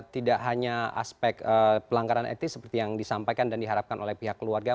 tidak hanya aspek pelanggaran etik seperti yang disampaikan dan diharapkan oleh pihak keluarga